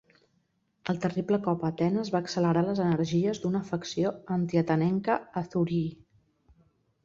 El terrible cop a Atenes va accelerar les energies d'una facció anti-atenenca a Thurii.